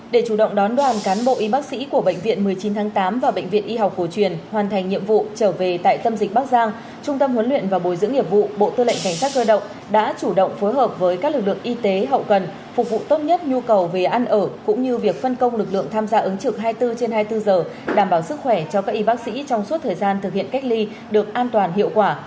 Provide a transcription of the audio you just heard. để chủ động đón đoàn cán bộ y bác sĩ của bệnh viện một mươi chín tháng tám và bệnh viện y học cổ truyền hoàn thành nhiệm vụ trở về tại tâm dịch bắc giang trung tâm huấn luyện và bồi dưỡng nghiệp vụ bộ tư lệnh cảnh sát cơ động đã chủ động phối hợp với các lực lượng y tế hậu cần phục vụ tốt nhất nhu cầu về ăn ở cũng như việc phân công lực lượng tham gia ứng trực hai mươi bốn trên hai mươi bốn giờ đảm bảo sức khỏe cho các y bác sĩ trong suốt thời gian thực hiện cách ly được an toàn hiệu quả